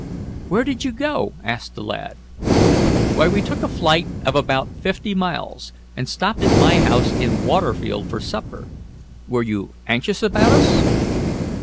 "Where did you go?" asked the lad. "Why we took a flight of about fifty miles and stopped at my house in Waterfield for supper. Were you anxious about us?"